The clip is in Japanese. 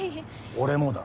俺もだ。